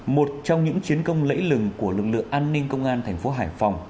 một trong những chiến công lẫy lừng của lực lượng an ninh công an thành phố hải phòng